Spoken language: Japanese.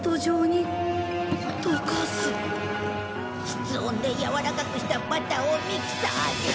「室温でやわらかくしたバターをミキサーで」。